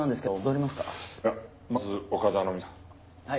はい。